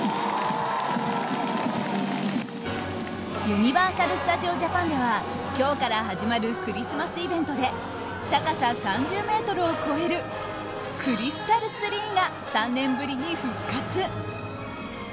ユニバーサル・スタジオ・ジャパンでは今日から始まるクリスマスイベントで高さ３０ｍを超えるクリスタルツリーが３年ぶりに復活。